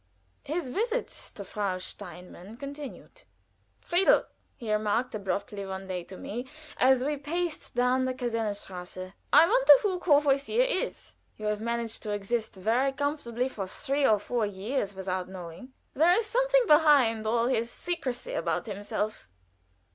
His visits to Frau Steinmann continued. "Friedel," he remarked abruptly one day to me, as we paced down the Casernenstrasse, "I wonder who Courvoisier is!" "You have managed to exist very comfortably for three or four years without knowing." "There is something behind all his secrecy about himself."